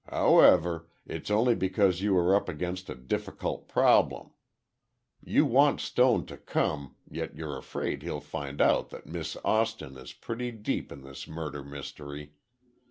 However, it's only because you are up against a difficult problem. You want Stone to come, yet you're afraid he'll find out that Miss Austin is pretty deep in this murder mystery.